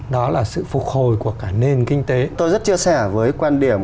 đó là sự phục hồi của cả nền kinh tế